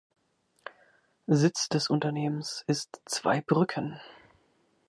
Sitz des Unternehmens ist Zweibrücken.